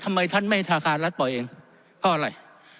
ทำไมท่านไม่ธนาคารรัฐปล่อยเองเพราะอะไร